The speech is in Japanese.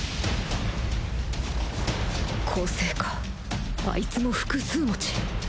個性かあいつも複数持ち？